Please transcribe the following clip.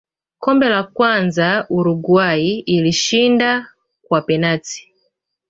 Kombe la kwanza Uruguay ilishinda kwa penati